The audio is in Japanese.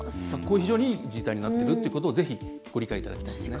非常にいい時代になっているというのをぜひご理解いただきたいです。